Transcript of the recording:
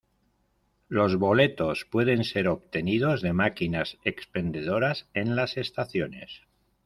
Los boletos pueden ser obtenidos de máquinas expendedoras en las estaciones.